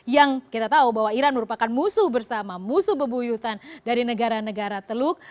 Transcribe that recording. yang kita tahu bahwa iran merupakan musuh bersama musuh bebuyutan dari negara negara teluk